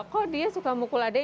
kok dia suka mukul ade